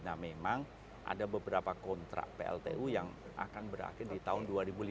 nah memang ada beberapa kontrak pltu yang akan berakhir di tahun dua ribu lima belas